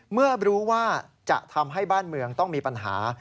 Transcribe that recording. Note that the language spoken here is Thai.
เมื่อรู้ว่าจะทำให้บ้านเมืองต้องมีปัญหา